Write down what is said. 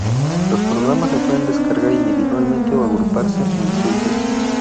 Los programas se pueden descargar individualmente o agruparse en suites.